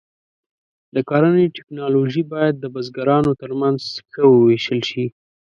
د کرنې ټکنالوژي باید د بزګرانو تر منځ ښه وویشل شي.